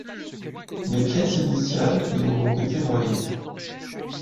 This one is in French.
Les pièces initiales y ont donc été noyées.